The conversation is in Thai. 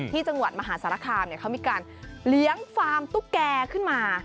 ที่จังหวัดมหาสารคามเขามีการเลี้ยงฟาร์มตุ๊กแกขึ้นมา